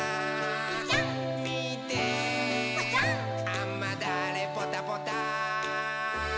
「あまだれポタポタ」